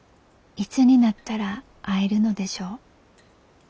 「いつになったら会えるのでしょう。